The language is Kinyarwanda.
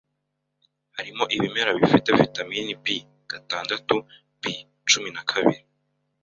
Harimo ibimera bifite vitamin Bgatandatu ,Bcumi na kabiri